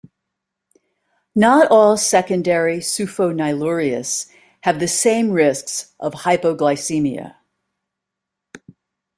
Not all secondary sufonylureas have the same risks of hypoglycemia.